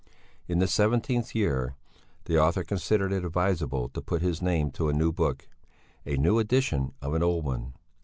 In the seventeenth year, the author considered it advisable to put his name to a new book a new edition of an old one.